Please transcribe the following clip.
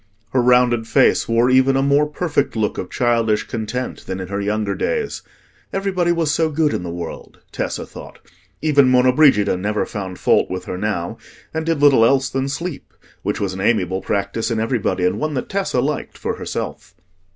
Her rounded face wore even a more perfect look of childish content than in her younger days: everybody was so good in the world, Tessa thought; even Monna Brigida never found fault with her now, and did little else than sleep, which was an amiable practice in everybody, and one that Tessa liked for herself.